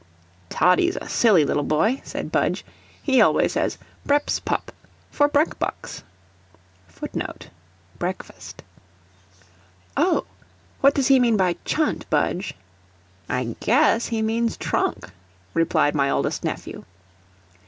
"Toddie's a silly little boy," said Budge; "he always says brepspup for brekbux." [Footnote: Breakfast.] "Oh! What does he mean by chunt, Budge?" "I GUESS he means trunk," replied my oldest nephew.